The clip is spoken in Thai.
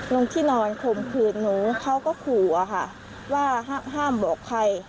ลงที่นอนข่มขืนหนูเขาก็ขู่อะค่ะว่าห้ามบอกใคร